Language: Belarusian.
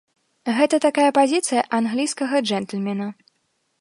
Гэта такая пазіцыя англійскага джэнтльмена.